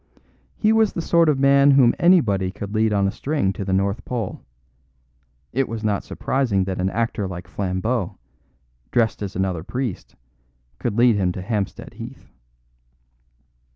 He was the sort of man whom anybody could lead on a string to the North Pole; it was not surprising that an actor like Flambeau, dressed as another priest, could lead him to Hampstead Heath.